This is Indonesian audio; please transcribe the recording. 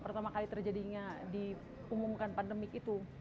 pertama kali terjadinya diumumkan pandemik itu